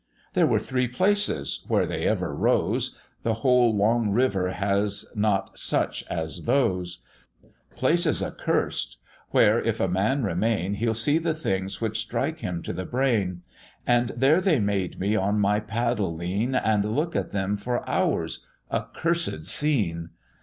"There were three places, where they ever rose, The whole long river has not such as those Places accursed, where, if a man remain, He'll see the things which strike him to the brain; And there they made me on my paddle lean, And look at them for hours; accursed scene!